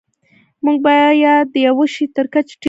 موږ باید د یوه شي تر کچې ټیټ نشو.